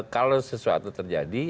kalau sesuatu terjadi